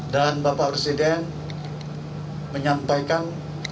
dan bapak presiden menyampaikan